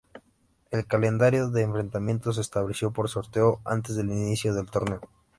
El calendario de enfrentamientos se estableció por sorteo antes del inicio del torneo.